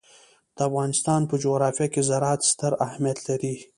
د افغانستان په جغرافیه کې زراعت ستر اهمیت لري.